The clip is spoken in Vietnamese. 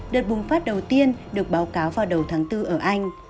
đợt bùng phát đầu tiên được báo cáo vào đầu tháng bốn ở anh